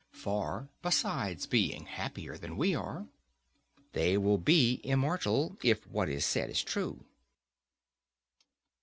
For besides being happier than we are, they will be immortal, if what is said is true.